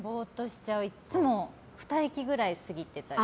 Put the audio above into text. いつも２駅ぐらい過ぎたり。